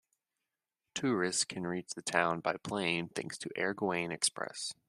Tourists can reach the town by plane thanks to Air Guyane Express.